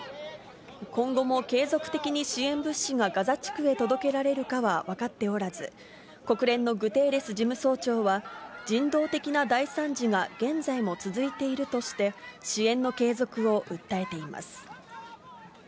今後も継続的に支援物資がガザ地区へ届けられるかは分かっておらず、国連のグテーレス事務総長は、人道的な大惨事が現在も続いているとして、支援の継続を訴えています。